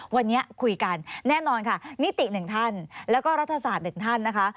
วันนี้คุยกันแน่นอนค่ะนิติหนึ่งท่านแล้วก็รัฐศาสตร์๑ท่านนะคะ